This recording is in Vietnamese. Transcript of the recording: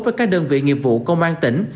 với các đơn vị nghiệp vụ công an tỉnh